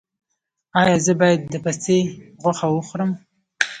ایا زه باید د پسې غوښه وخورم؟